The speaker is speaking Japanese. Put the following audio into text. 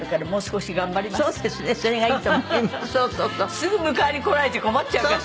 すぐ迎えにこられちゃ困っちゃうから。